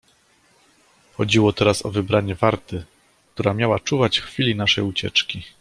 "Chodziło teraz o wybranie warty, która miała czuwać w chwili naszej ucieczki."